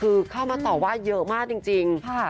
คือเข้ามาต่อว่าเยอะมากจริง